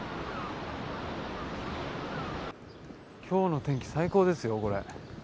今日の天気最高ですよこれ。